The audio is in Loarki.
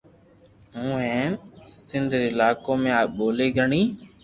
ھون ھين سند ري علاقون ۾ آ ٻولي گھڻي